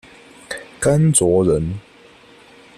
甘卓人。